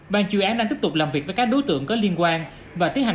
ban chuyên án đang tiếp tục làm việc với các đối tượng có liên quan và tiến hành